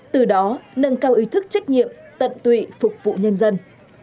từ đó nâng cao ý thức trách nhiệm tận tụy phục vụ nhân dân